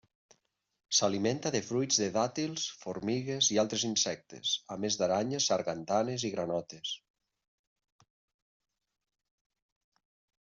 S'alimenta de fruits de dàtils, formigues i altres insectes, a més d'aranyes, sargantanes i granotes.